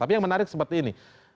tapi yang menarik seperti ini